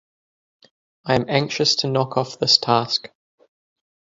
I am anxious to knock off this task.